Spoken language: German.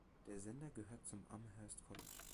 Der Sender gehört zum Amherst College.